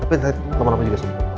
tapi saya lama lama juga sembuh